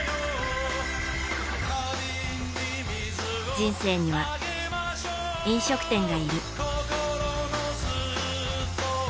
人生には、飲食店がいる。